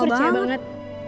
gue percaya banget